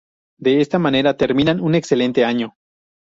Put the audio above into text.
De esta manera terminan un excelente año.